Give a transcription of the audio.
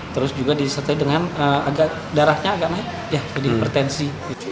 terus juga disertai dengan agak darahnya agak naik jadi hipertensi